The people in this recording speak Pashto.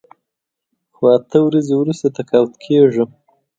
خو اته ورځې وروسته تقاعد کېږم.